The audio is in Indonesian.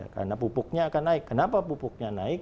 karena pupuknya akan naik kenapa pupuknya naik